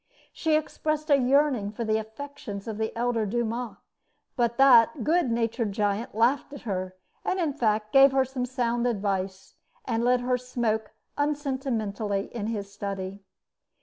She expressed a yearning for the affections of the elder Dumas; but that good natured giant laughed at her, and in fact gave her some sound advice, and let her smoke unsentimentally in his study.